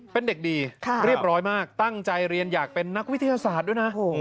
เป็นเด็กดีเรียบร้อยมากตั้งใจเรียนอยากเป็นนักวิทยาศาสตร์ด้วยนะ